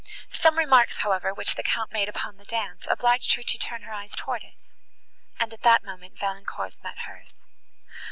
Some remarks, however, which the Count made upon the dance obliged her to turn her eyes towards it, and, at that moment, Valancourt's met hers.